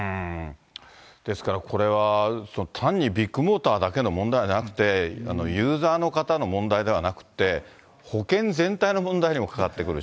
ですからこれは、単にビッグモーターだけの問題じゃなくて、ユーザーの方の問題ではなくて、保険全体の問題にも関わってくるし。